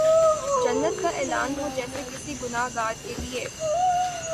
جنت کا اعلان ہو جیسے کسی گناہ گار کیلئے